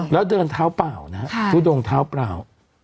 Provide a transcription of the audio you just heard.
แล้วเดินเท้าเปล่านะฮะทุดงเท้าเปล่า